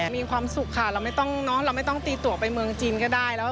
มีความสุขค่ะเราไม่ต้องตีตัวไปเมืองจีนก็ได้